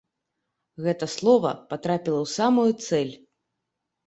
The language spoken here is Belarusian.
Гэта слова патрапіла ў самую цэль.